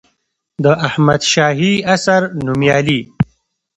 د احمدشاهي عصر نوميالي